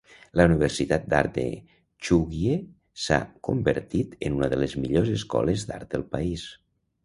La Universitat d'Art de Chugye s'ha convertit en una de les millors escoles d'art de país.